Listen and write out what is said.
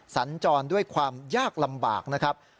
สัญจรด้วยความยากลำบากนะครับ